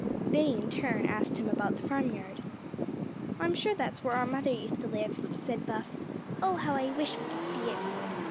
They, in turn, asked him about the farmyard. "I'm just sure that's where our mother used to live," said Buff. "Oh, how I wish we could see it."